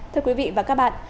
thưa quý vị và các bạn